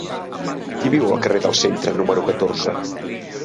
Qui viu al carrer del Centre número catorze?